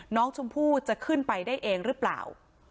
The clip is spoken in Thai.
น้องชมพู่จะขึ้นไปได้เองหรือเปล่า